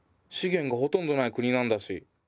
資源がほとんどない国なんだし。